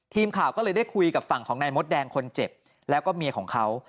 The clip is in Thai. ทีมข่าวก็เลยได้คุยกับฝั่งของนายมดแดงคนเจ็บแล้วก็เมียของเขา